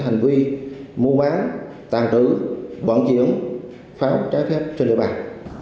có hành vi mua bán tàng trữ quản triển pháo trái phép trên địa bàn